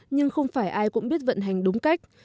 nhưng không phải ai cũng biết vận hành đúng cách